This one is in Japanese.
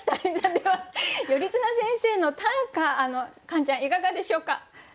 では頼綱先生の短歌カンちゃんいかがでしょうか？